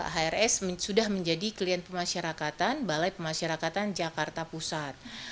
hrs sudah menjadi klien pemasyarakatan balai pemasyarakatan jakarta pusat